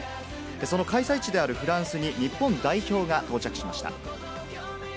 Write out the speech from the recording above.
その開催地であるフランスに、日本代表が到着しました。